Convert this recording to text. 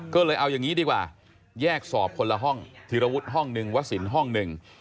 ก็เลยเอายังงี้ดีกว่าแยกสอบคนละห้องธิรวุทธห้องนึงวศิลป์ห้องนึง